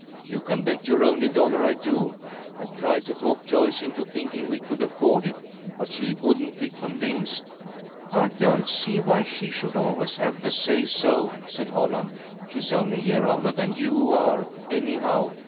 "You can bet your only dollar I do! I tried to talk Joyce into thinking we could afford it, but she wouldn't be convinced." "I don't see why she should always have the say so," said Holland. "She's only a year older than you are, anyhow.